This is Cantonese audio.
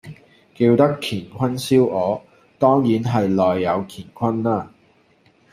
叫得乾坤燒鵝，當然係內有乾坤啦